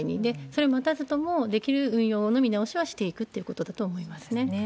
それを待たずとも、できる運用の見直しはしていくっていうことだと思いますね。